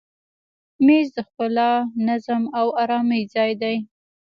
مېز د ښکلا، نظم او آرامي ځای دی.